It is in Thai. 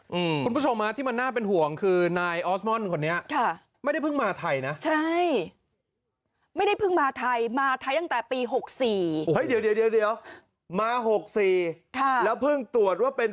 หกสี่เฮ้ยเดี๋ยวเดี๋ยวเดี๋ยวเดี๋ยวมาหกสี่ค่ะแล้วเพิ่งตรวจว่าเป็น